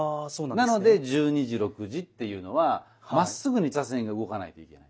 なので十二時六時っていうのはまっすぐに茶筅が動かないといけない。